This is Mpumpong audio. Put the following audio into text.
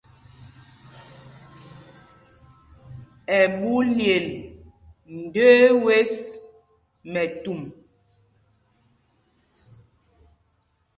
Ɛɓú lyel ndəə wes mɛtu.